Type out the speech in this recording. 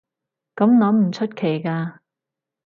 噉諗唔出奇㗎